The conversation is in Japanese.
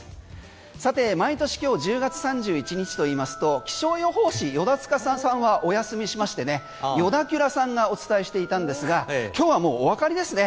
さて毎年今日、１０月３１日といいますと気象予報士、依田司さんはお休みしまして依田キュラさんがお伝えしていたんですが今日はもうおわかりですね。